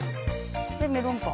メロンパン？